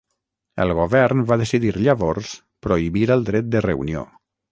El govern va decidir llavors prohibir el dret de reunió.